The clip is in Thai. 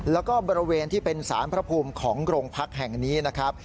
แล้วก็บริเวณที่เป็นสารพระภูมิของโรงพักแห่งนี้นะครับ